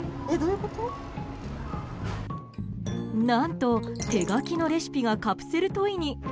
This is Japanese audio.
何と、手書きのレシピがカプセルトイに。